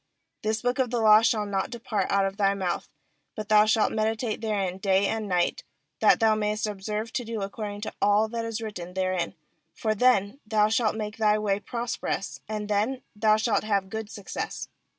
8This book of the law shall riot depart out of thy mouth, but thou shalt meditate therein day and night, that thou mayest observe to do according to all that is written therein; for then thou shalt make thy ways prosperous, and then thou shalt have good success.